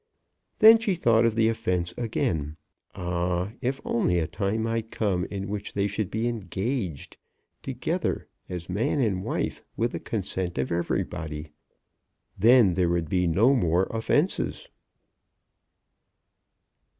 Then she thought of the offence again. Ah, if only a time might come in which they should be engaged together as man and wife with the consent of everybody! Then there would be no more offences.